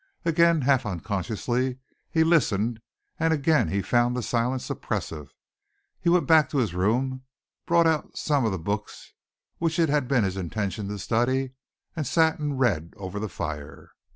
Again, half unconsciously, he listened, and again he found the silence oppressive. He went back to his room, brought out some of the books which it had been his intention to study, and sat and read over the fire.